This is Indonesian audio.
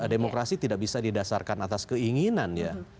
demokrasi tidak bisa didasarkan atas keinginan ya